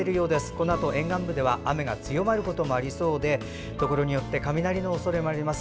このあと沿岸部では雨が強まるところもありそうでところによって雷のおそれもあります。